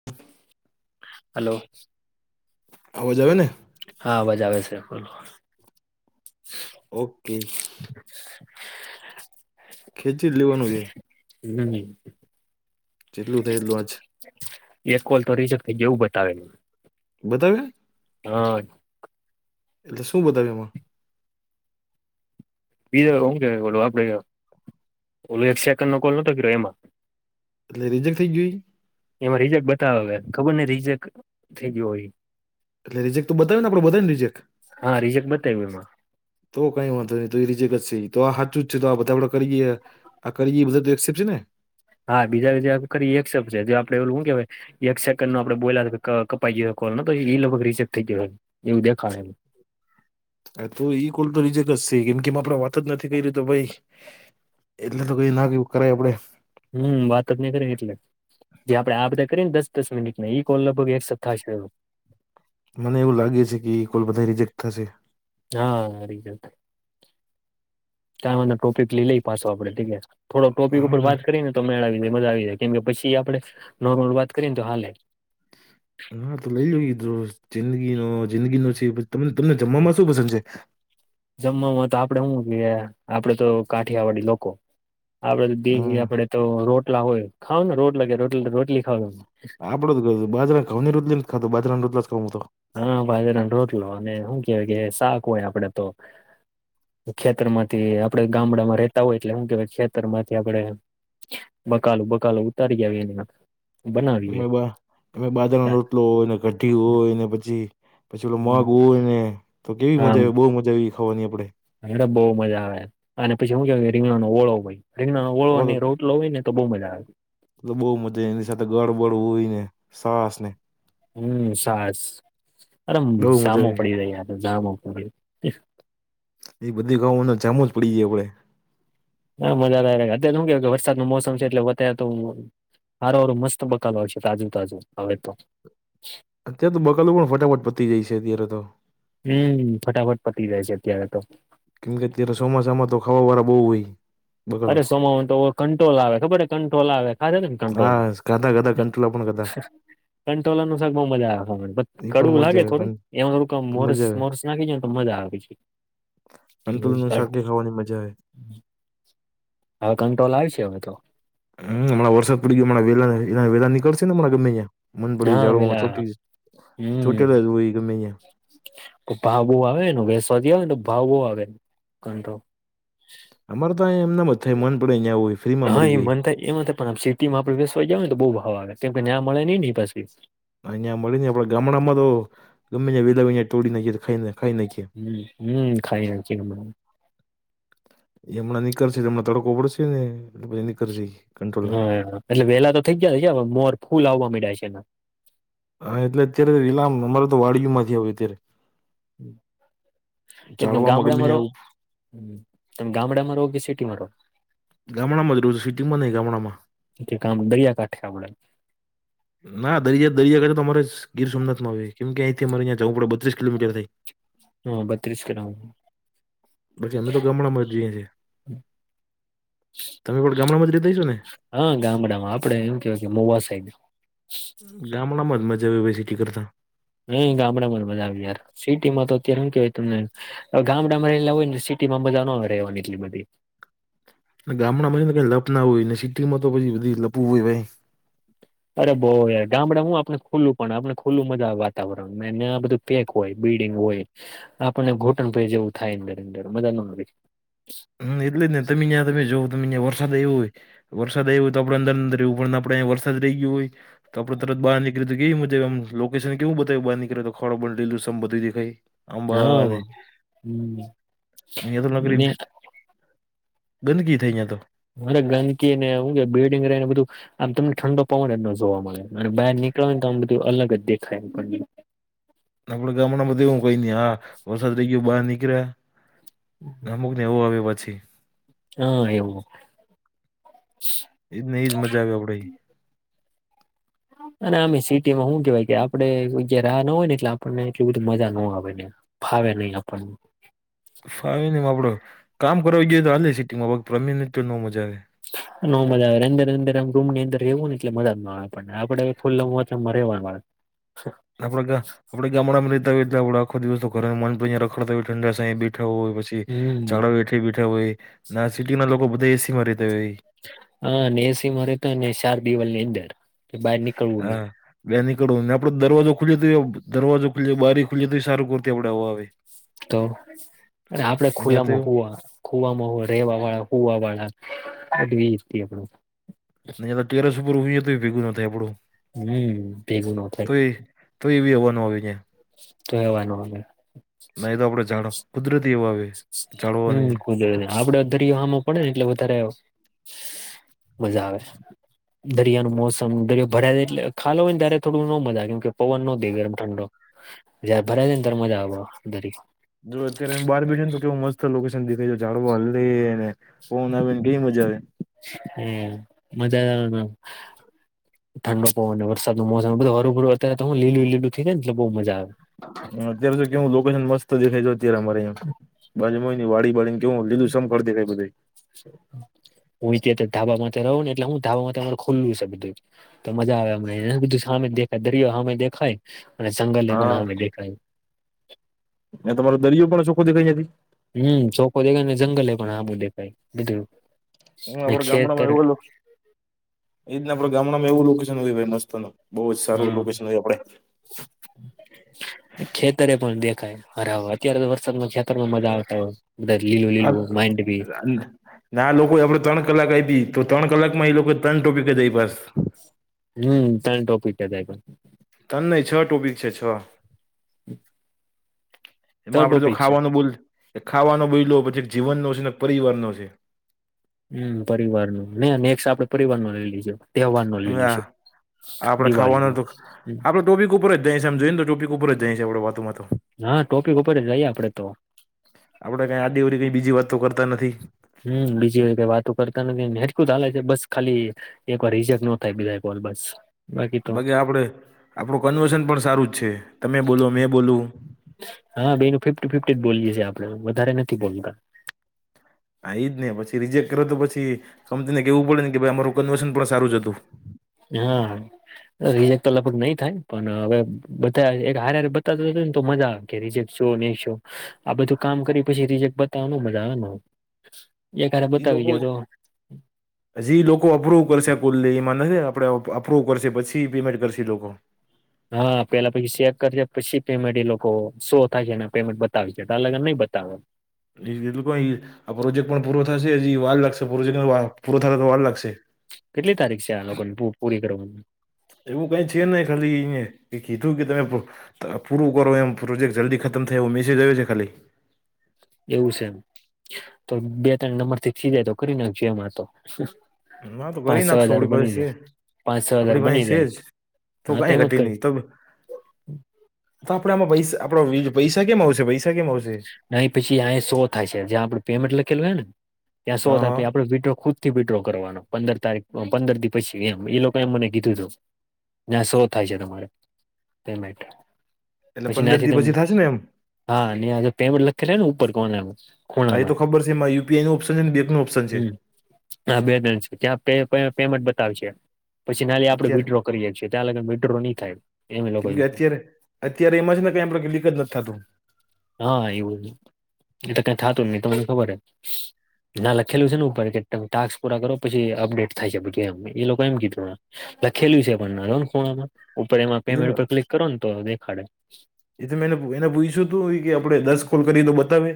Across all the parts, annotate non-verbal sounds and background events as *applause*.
*inaudible* Hello આવાજ આવે ને હા અવાજ આવે છે બરોબર *inaudible* ઓકે *inaudible* ખેંચી જ લેવાનું છે. હમ્મ જેટલું થાય એટલું આજ એક કોલ તો રિજેક્ટ થઈ જ્યો હું બતાવે બતાવ્યા, હા એટલે શું બતાવ્યું એમાં બીજું હું કેવાય ઓલો આપડે ઓલો એક સેકન્ડ નો કોલ નતો કર્યો એમાં એટલે રીજેક્ટ થઈ જ્યો ઈ એમાં રિજેક્ટ બતાવે હ ખબર ને રિજેક્ટ થઈ ગયો હોય એટલે રિજેક્ટ તો બતાવીને આપડો બતાવી ને રિજેક્ટ હા રિજેક્ટ બતાવ્યું એમાં તો કઈ વાંધો નહી તો એ રીજેકજ સે ઈ તો આ સાચું જ છે તો આ બધા આપડે કરીએે આ કરી એ બધા તો એક્સેપ્ટ છે ને હા બીજા બી જે કરી એક્સેપ્ટ છે જે આપડે ઓલું હું કેવાય એક સેકન્ડનો આપડે બોલ્યા ક-કપાઈ ગયો કોલ તો ઈ લગભગ રિજેક્ટ થઈ ગયો એવું દેખાહે હ તો ઈ કોલ તો રીજેક જ છે કેમ કે આપડ વાત જ નથી કરી રહી તો પહિ એટલે તો કઈ ના કિઉ કરાય આપડે હમ્મ વાત જ ની કરી એટલે જે આપે આ બધા કરીએને દસ દસ મિનિટ ઈ કોલ લગભગ એક્સેપ્ટ થાશે મને એવું લાગે છે કે કોલ બધા રિજેક્ટ થશે હા રિજેક્ટ કાલ વાળો ટોપિક લઈ લઈ પાછો આપડે ઠીકે થોડો ટોપિક હા ઉપર ના વાત કરીને તો મેળ આવી જાય મજા આવી જાય કેમ કે પછી આપડે નોર્મલ વાત કરીએને તો હાલે ના તો લઈ લ કીધું જિંદગીનો જિંદગીનો છે તમને તમને જમવામાં શું પસંદ છે જમવામાં તો આપડે શું જોઈએ આપડે તો કાઠિયાવાડી લોકો આપડે દિહે હમ આપડે તો રોટલા હોય ખાવ ને રોટલા કે રોટલા રોટલી ખાવ આપડો કેવું છે બાજરા ના ઘવની રોટલીમ ખ તો બાજરાને રોટલા જ ખઉં મુ તો હા બાજરાન રોટલો અને હું કેય કે શાક હોય આપડે તો ખેતર માંથી આપડે ગામડામાં રેતા હોય એટલે શું કેવાય ખેતર માંથી આપડે બકાલું બકાલો ઉતારી જાવી એની અમે બહાને બાજરાનો રો લો ને કઢી હોય ને પછી પછી ઓલો મગ હોય ને તો કેવી મજા આવે બહુ મજાઆવી ખાવાની આપડે અરે બઉ મજા આવે અને પછી શું કે કે રીંગણ નો ઓળો હોય રીંગનોળો અને રોટલો હો ને તો બુ મજા આવે એતો બહુ મજા એની સાથે ગડબડ હોય ને સાસ ને હમ્મ સાસ અરે બહુ મજા સામો આવી પડી રહ્યા આતો જામો પડી એ બધી ગાનું જામુ જ પડી જાયે આપડે હા મજા *unintelligible* અત્યારે શું કેવ કે વરસાદ ન મોસમ છે એટલે વત્તા તો હારુ હરું મસ્ત બકાલ હો છે તાજુ તાજું હવે તો અત્યારે તો બકાલું પણ ફટાફટ પતી જાય છે અત્યારે તો હમ્મ ફટાફટ પતી જાય છે અત્યારે તો કેમ કે અત્યારે ચોમાસામાં તો ખાવા વાળા બહુ હોય બકાલું અરે સોમ તો કંટ્રોલ આવે ખબર કંટ્રોલ આવે અ ત કન્ટટ્રોલ હા ગાધા ગાધા કંટોલા પણ ખાધા કંટોલર નું શક બઉુ મજાવા એ પણ કડવું લાગે મજા આવે થોડું એમાં થોુંક મોરસ મોરસ નાખી ને તો મજા આવી જાય અંતુલ ન શાક એ ખાવાની મજા હવે કંટ્રોલ આવે છે હવે તો હમ હમણા વરસાદ પડી ગ હણા વેલાલા વેલા નીકળશે નેણા ગમે ત્યાં મન પડી હા જાળવામાં પેલા ચોટી ચોટેલા હોય ગમે અહં તો ભાવો આવેને વેસવાથી આવેને તો ભાવો આવે કો અમાર તો એમના મત હા એ મન થાય એમાં પણમ સિટીમાં આપડ બેેસવાઈાવ ને તો બહુ ભાવ આવેે કેમ કે ન્યા મળે નહી ને પછી અહંયા મળી ને આપડે ગામડામાં તો ગમેીને વેલા તોડી ના તો ખાઈ ને હમ હમ ખાઈ નાખીને એ હમણાં નીકળ છે હમણા તડકો પડશે ને એટલે પછી નીકળશે ઈ કંટોલા હા એટલે વેલા તો થઇ ગયા મોર ફૂલ આવવા ડ્યા છે એને હા એટલે અત્યારે રીલામ અમારે તો વાડીયું માંથી આવ અત્યારે કે ઝાડવામાં ગામડા ગમે મારો ત્યાં તમે ગામડામાં રહો કે સિટી માં રહો ગામડામાં રો છ છે સિટીમાં ન ગામડામાં કે કામ દરિયાકાાંઠે આપડે ના દરિયા દરિયાગાે તો અરે જ ગીર સોમનાથમાં કેમ કે અહીંથીમારે્યાં જવું પડે બત્રીસ કિલોમીટર થાય હા બત્રીસ ગ્રામ લી અમે તો ગામડામાં જઈએ છીએ તમે કો ગામડા મજરી દઈશો ને હા ગામડાામમાં આપડે એમ કેવાય કે મો મહુવા સાડ ગામડામાં જ મજા આવે ભાઈ સિટી કરતા નહી ગામડામાં જ બજા આવી યાર સિટી માં તો અત્યારે કેવાય તમને ગામડામાં રહેલા હોય ને સિટીમાં મજા ના આવે રહેવાની એટલી બધી ગામડામાં મીને કઈ લપ ના હોય ને સિટીમાં તો પછી બધી લપવું હોય ભાઈ અરે બહ યાર ગામડા હું આપણે ખુલ્લું પણ આપણે ખુલ્લું મજા આવે વાતાવરણને આ બધું પેક હોય બિલ્ડીિંગ હોય આપણને ઘોટણ પ જેવું થાય અંદર અંદર મજા ન મળ હમ એટલે જ ને તમે ત્યાં તમે જો તમે ત્યાં વરસાદ એવ્યો હોય વરસાદ આવ્યો હોય તો આપણે અંદર અંદર એવું પણ આપડેં વરસાદ રહી ગયયો હોય તો આપણે તરત બહાર નીકી તો કેય મુજબમ લોકેશન કેવું બતાયું બાર નીકળે તો ખો બ લું બધું દેખાઈ અબ હા અનેે હમ્મ. એ તો નોકરી ને ગંદકી થઈહીયા તો અરે ગંદકી ને હું કે બિલ્ડીંગ ર ને બધું આમ તમને ઠંડો પવ એમ જોવા મળે અને બહાર નીકળવા ને તો આમ બધું અલગ જ દેખાય આપડણા ગામડા બધે એવું કઈ નઈ હા વરસાદ રહી ગયો બહાર નીકળ્યા હા અમુક ને એવું આવ્યું પછી હા એવું એજ ન એજ મજા આવે આપડે અને આમે સિટી માં શું કેવાય કે આપડે રાહ ના હોય ને એટલે આપણને એટલું બધું મજા ન ના આવે ને ફાવ નહી આપણ ફાવ ન મા આપડો કામ કરવા ગયોએ તો હા સિટીમાં રમીને તો ન મજા આવે ન મજા આવે અંદર અંદર આમ રમની અંદર રહેવું ને એટલે મજામાં આવે આપણને આપે ખુલ્લાતમાં ર રહેવાનુંે આપડા આપે ગામડામાં રહેતા હોય આપ આખો દિવસ ઘર મન પણયા રખડતા હોય ઠંડા સા બેઠા હોયછી હમ ચાળો બેઠ બેઠા હોય ના સિટી ના લોકો બધા એસીમાં રતા હોય હા ને એસી મારે તો ને ચાર દવાલ ની અંદર બહાર નીકળવું નહી હા બે નીકળવો ને આપે દરવાજો ખુલીએ તો એ દરવાજો ખુલ બારી ખુલીએ તો એ સારું કરતી આપડે હવા આવે તો અને આપડે અહીંયા તો ખુલ્લામાં એવું હોવા ખુવામાં હો રેવા વાળા ખુવા વાળાવી આપ ટેરસ ઉપર ઉઈ તો ભેગું નથી આપડું હમ ભેગું ન તો થાય એ તો એવી હવાનું આવી જાય તો કવાનું હ ના એ તો આપડે જાડ કુદરતી એવા આવે જાળવાની આપડો દરિયોમાં પડે ને એટલે વધારે મજા આવે દરિયા નનું મોસમ દરિયો ભરાયે એટલે ખાો હોય ને ત્યારે થોડું ન મજા કેમ કે પવન નો દ ગરમ ઠંડો જ ભરા છે ને ત મજા આ દરી જો અત્યારે બહાર બેઠ ને તો કેવું મસ્ત લોકેશન દેખાઈ ઝાડવા હને ઓન આવેને કઈ મજા આવે હ મજાદાર ઠંડો પો અને વરસાદો મોસમ બધ હભરું અત્યારે તો હું લીલું લીુંઈ જ ને એટ બઉ મજા આવે હ અત્યારે સુ કેવું લોકેશન મસ્ત દેખાય અત્યારે અમારે અં બાજુ હોય વાડી વાળડી કેવું લીધું સમખતી કઈ બધી હું તે ધાબા માટેમાં રહ ને એટલે હું ધાબામાં અમાર ખુલ્લું છે બધું તો મજા આવેને બધું સામે દેખાય દરિયો સામે દેખાય અને જંગલે પણ હમે દેખાય. અને તમારો દરિયો પણ ઓખો દેખાઈ નથી. હમ ચોખો દેખાય ને જંગલે પણ આ બું દેાઈ બધું. હ ને આપડ ખેતર ગામડામાં એ એજને આપ ગામડામાં એવુંકેશન હો મસ્ત ન બહુ જ સારું હા લોકેશન હોય આપડે. ખેતરે પણ દેખાય હરાવર. અત્યારે વરસાદમાં ખેતરમાં મજા આવતા હોય બધ લીલું લીલું આપડે માઇડ બી ના આ લોકો આપડ ત્રણ કલાક આવીી તો ત્રણ કલાક માં એ લોકો ત્રણ ટોપિક જઈ પાસ. હમ તણ ટોપિક છે હતા પણ. તને નહી છ ટોપિક છે છ. હમ. એમાં આપણેે જો ખાવાનું બોલ ખાવાનો બોલ લો પછી એક જીવનનોો છે ને એક પરિવાર નો છે. હમ પરિવાર ન ને નેક્ આપડે પરિવાર નો લઈ લીજો. તહેવાર નો લેલી ના છે આપડે દિવાળી ખાવાનું નો તો હ. આપડે ટોપિક ઉપર જાય સમજો ને ટોપિક ઉપર જાય છે આપણે વાતમાં તો. હા ટોપિક ઉપર જઈએ આપડે તો. આપડે કઈ આ દેવારી કઈ બીજી વાત તો કરતા નથી. હમ બીજી કઈ વાતો કરતા નથીનેટકું ચાલે છે બસ ખાલી. એક વાર રિજેક્ટ ન થાય બીજા કોલ બસ. બાકી આપણે આપણું કન્વર્સન પણ સારું જ છે તમે બોલો મેં બોલું. હા બે ન ફિફ્ટી ફિફ્ટી જ બોલીયેીએ આપડે વધારે નથી બોલતા. આ એ જ ને પછી રીજેક્ટ કરે તો પછી કંપનીને કેવું પડે ને કે ભાઈ અમારું કન્વેશન પણ સારું જ હતું. હા. રિજેક્ટ તો લગભગ નઈ થાય પણ હવે બધા એક હારે બતા ને તો મજા આવે. કે રિજેક શો નહી શો આ બધું કામ કરી પછી રિજેક્ટ બતાવ મજા આવે. એક હારે એઈ બતાવી લોકો ગયો તો જ હજી લોકો અપ્રુવ કરશે કુલ એમાં નથી આપણે અપ્રુવ કરશે પછી પેમેન્ટ કરશ લોકો હા પેલા પછી ચેક કરજ પછી પેમેન્ટ એ લોકો શો થાય છે પેમેન્ટ બતાવ છે એટ અલગ નઈ બતાવે. એ એું આ પ્રોજેક્ટ પણ પૂરો થશે વાલ લાગશે પ્રોજેક્ટ પૂરો થાય તો વાલ લાગશે. કેટલી તારીખ છે આ લોકોને પૂરી કરવાની. એવું કઈ છે ને ખાલી અ કીધું કે તમે. તો પૂરું કરો એમ પ્રોજેક્ટ જલ્દી ખતમ થાય એવો મેસેજ આવ્યો છે ખાલી. એવું છે એમ તો બે ત્રણ નંબર થી થયજાય તો કરી નાખશું એમ તો વાતો પાંચ કરી છ નાખશુ હજાર આપણી બની જાય પાંચ છ હજાર પાસે બની છે જાય જ તો હા કઈ એમ જ ઘટી નહી તો તો આપડે આમાં પૈસા શેમાં આવશે? જ્યાં પેમેન્ટ લખેલું હોય છે ને ત્યાં શો હા થાય છે હા પછી આપણે વીડ્રો વિડ્રો કરવાનો પંદર તારીખ પછી એમ એ લોકએ મને કીધું તું જ્યાં શો થાય છે તમારે પેમેન્ટ. એટલે હા પંદર પછી દી થશે ને એમ પેમેન્ટ લખીને આવ્યું ને ઉપર કોર્નરમાં એ તો ખબર છે એમાં યુપીઆઈ નું ઓપ્શન છે અને બેંક નો ઓપ્શન છે. હમ હા તણ ત્યાં પેમેન્ટ બતાવશે. પછી ના આપણે અત્યારે વિડ્રો કરીએ છીએ ત્યાં સુધી વિડ્રો નહી થાય એ લોકો કેમ કે અત્યારે અત્યારે એમાં છે ને કઈ લીક જ નથી થતું. *unintelligible* ના લખેલું છે ને ઉપર કે તમે ટાસ્ક પૂરા કરો પછી અપડેટ થાય એમ એ લોકો એમ કીધું. લખેલું છે પણ ખૂણમાં ઉપર એમાં પેમેન્ટ ઉપર ક્લિક કરો ને તો દેખાડે. એ તો મેને એ પૂછ્યું હતું દસ કોલ કરીએ તો બતાવે?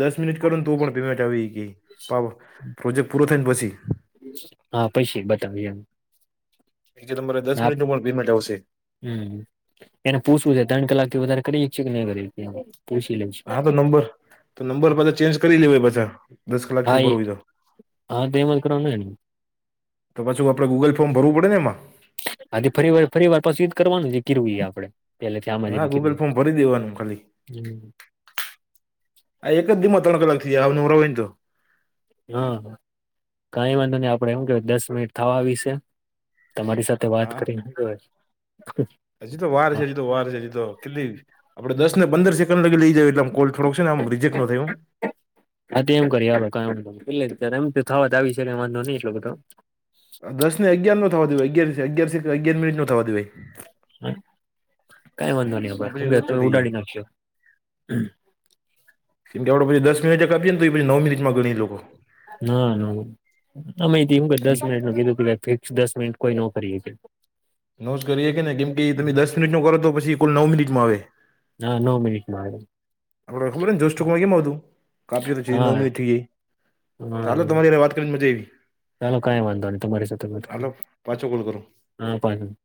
દસ મિનિટ કરો તો પણ પેમેન્ટ આવી જાય. પણ પ્રોજેક્ટ પૂરો થાયને પછી. હા પછી બતાવે એમ. એ તમારે દસ આપ મિનિટનું પણ પેમેન્ટ આવશે. હમ એને પૂછવું છે ત્રણ કલાકથી વધારે કરી શકીએ કે નહી. પુછીએ? હા તો નંબર તો નંબર પાછા ચેન્જ કરી લેવાય પાછા દસ કલાકથી હા એ ઉપર હોય તો *unintelligible* તો પાછુ ગુગલ ફોર્મ ભરવું પડે ને એમાં હા ફરીવાર પાછું એ જ કરવાનું ને જે કર્યું આપણે હા ગૂગલ ફોમ ભરી દેવાનું ખાલી. હમ આ એક જ દિવસમાં થઈ જાય ત્રણ કલાક નવરા હોય તો. હા હા. કઈ વાંધો નહી આપડે એમ કે દસ મિનિટ થવા આવી છે. વાત કરીને શું કેવાય હજી તો વાર છે કેટલી? આપણે દસ ને પંદર સેકન્ડ લઈ જઈએ એટલે આમ કોલ છેને રિજેક્ટ ના થાય. હા તો એમ કરીએ. દસ ને અગિયાર ન થવા દેવાય અગિયાર છે તો અગિયાર મિનીટ થવા દેવાય. હા કંઈ વાંધો નહીં. એમાં પછી લોચો થઈ જાય કેમકે આપણે દસ મિનિટ આપીને તો પણ નવ મિનિટમાં ગણે લોકો. ના ના એમા શું કે દસ મિનિટ નું કીધું કીધું ફિક્સ દસ મિનિટ કોઈ ના કરી શકે. કેમ કે તમે દસ મિનિટનું કરો તો કુલ નવ મિનિટમાં આવે. હા નવ મિનિટમાં આવ્યો *unintelligible* હા ચાલો હા તમારી જોડે વાત કરીને મજા આવી. ચાલો કઈ વાંધો નહી તમારી સાથે વાત કર હા પાછો કોલ કરો. હા પાછો